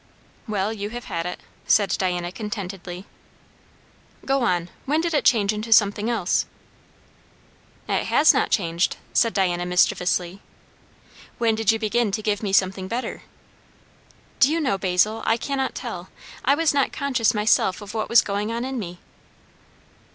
"Well, you have had it," said Diana contentedly. "Go on. When did it change into something else?" "It has not changed," said Diana mischievously. "When did you begin to give me something better?" "Do you know, Basil, I cannot tell? I was not conscious myself of what was going on in me."